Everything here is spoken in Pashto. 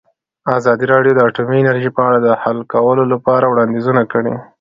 ازادي راډیو د اټومي انرژي په اړه د حل کولو لپاره وړاندیزونه کړي.